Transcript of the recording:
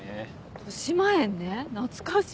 としまえんね懐かしい。